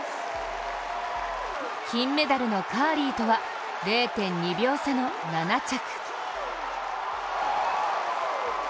金メダルのカーリーとは０．２秒差の７着。